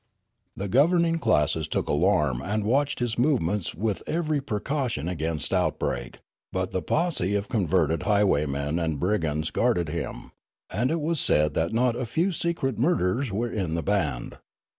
" The governing classes took alarm and watched his movements with every precaution against outbreak ; but the posse of converted highwaymen and brigands guarded him ; and it was said that not a few secret murderers were in the band.